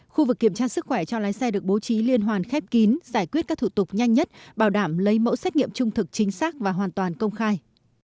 khu vực kiểm tra sức khỏe cho lái xe được bố trí liên hoàn khép kín giải quyết các thủ tục nhanh nhất bảo đảm lấy mẫu xét nghiệm trung thực chính xác và hoàn toàn công khai